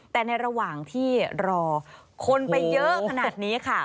แต่ในระหว่างที่รอคนไปเยอะขนาดนี้ค่ะ